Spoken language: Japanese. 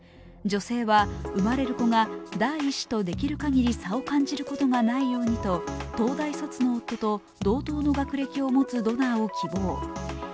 女性は、生まれる子が第１子とできる限り差を感じることがないようにと東大卒の夫と同等の学歴を持つドナーを希望。